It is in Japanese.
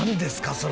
それ。